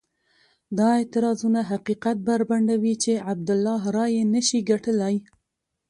دا اعتراضونه حقیقت بربنډوي چې عبدالله رایې نه شي ګټلای.